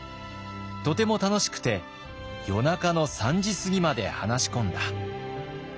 とても楽しくて夜中の３時過ぎまで話し込んだ」。